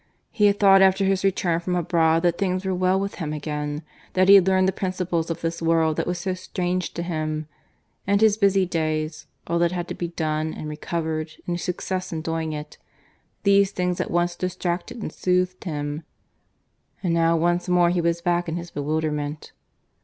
He had thought after his return from abroad that things were well with him again that he had learned the principles of this world that was so strange to him; and his busy days all that had to be done and recovered, and his success in doing it these things at once distracted and soothed him. And now once more he was back in his bewilderment.